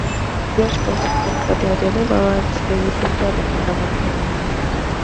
Grateful to him for their deliverance, they bestowed the kingdom on him.